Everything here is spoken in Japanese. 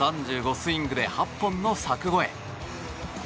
スイングで８本の柵越え。